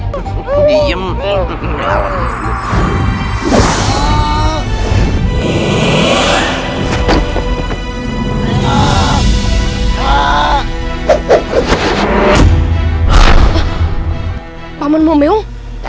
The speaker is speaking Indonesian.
terserah mau besar jangan lupa aja